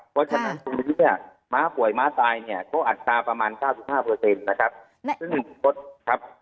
เพราะฉะนั้นตอนนี้เนี่ยม้าป่วยม้าตายเนี่ยก็อัตราการประมาณ๙๕เปอร์เซ็นต์นะครับ